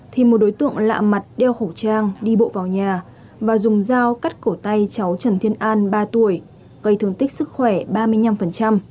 thì một đối tượng lạ mặt đeo khẩu trang đi bộ vào nhà và dùng dao cắt cổ tay cháu trần thiên an ba tuổi gây thương tích sức khỏe ba mươi năm